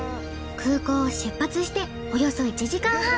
空港を出発しておよそ１時間半！